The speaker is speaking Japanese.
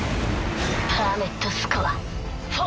パーメットスコア４。